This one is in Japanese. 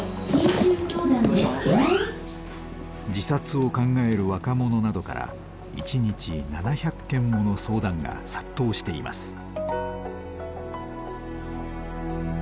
自殺を考える若者などから一日７００件もの相談が殺到しています。